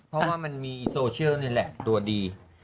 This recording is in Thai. เพราะว่ามันมีโซเชียลนี่แหละตัวดี